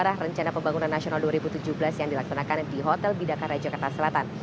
rencana rencana pembangunan nasional dua ribu tujuh belas yang dilaksanakan di hotel bidakara jakarta selatan